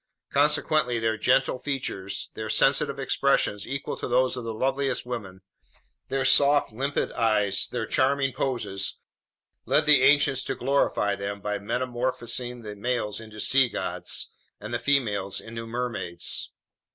Consequently, their gentle features, their sensitive expressions equal to those of the loveliest women, their soft, limpid eyes, their charming poses, led the ancients to glorify them by metamorphosing the males into sea gods and the females into mermaids.